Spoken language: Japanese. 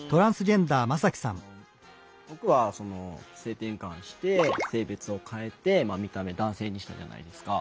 僕は性転換して性別を変えて見た目男性にしたじゃないですか。